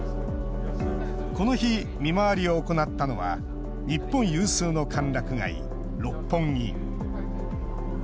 この日見回りを行ったのは日本有数の歓楽街六本木。